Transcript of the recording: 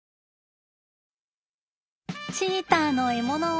チーターの獲物を。